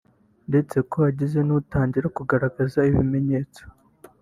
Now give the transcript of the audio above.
ndetse ko hagize n’utangira kugaragaza ibimenyetso